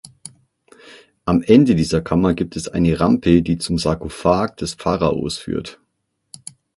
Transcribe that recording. Am Ende dieser Kammer gibt es eine Rampe, die zum Sarkophag des Pharaos führt.